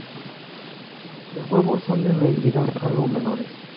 Sus huevos son de medidas algo menores.